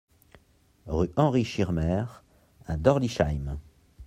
Rue Henri Schirmer à Dorlisheim